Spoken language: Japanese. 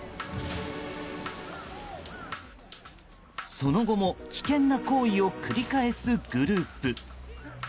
その後も危険な行為を繰り返すグループ。